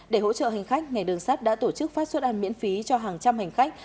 để hỗ trợ hành khách ngày đường sắt đã tổ chức phát xuất ăn miễn phí cho hàng trăm hành khách